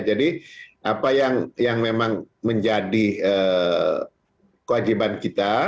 jadi apa yang memang menjadi kewajiban kita